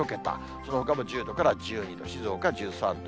そのほかも１０度から１２度、静岡１３度。